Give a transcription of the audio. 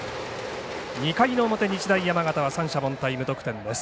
２回の表、日大山形は三者凡退、無得点です。